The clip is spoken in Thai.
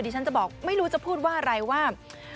ฉันจะบอกไม่รู้จะพูดว่าอะไรว่า